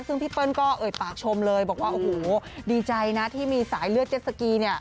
ซึ่งพี่เปิ้ลก็เอ่ยปากชมเลยบอกว่าโอ้โหดีใจนะที่มีสายเลือดเจ็ดสกีเนี่ย